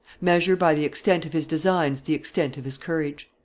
Measure by the extent of his designs the extent of his courage."